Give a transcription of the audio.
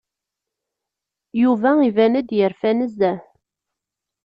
Yuba iban-d yerfa nezzeh.